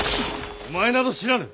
お前など知らぬ！